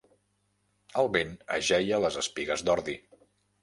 El vent ajeia les espigues d'ordi.